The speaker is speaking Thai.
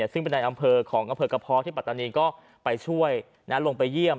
ซึ่งเป็นในอำเภอของอำเภอกระเพาะที่ปัตตานีก็ไปช่วยลงไปเยี่ยม